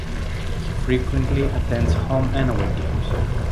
He frequently attends home and away games.